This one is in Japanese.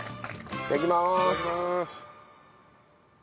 いただきまーす。